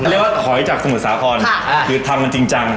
เรียกว่าหอยจากสมุดสาธารณ์ค่ะคือทำมันจริงจัง